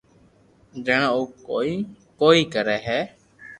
جڻي او ڪوئي ڪوئي ڪري ھي